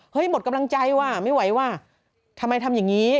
หมดกำลังใจว่ะไม่ไหวว่ะทำไมทำอย่างนี้